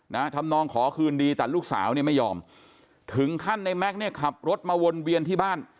ทำนองขอคืนดีแต่ลูกสาวเนี่ยไม่ยอมถึงขั้นในแม็กซ์เนี่ยขับรถมาวนเวียนที่บ้าน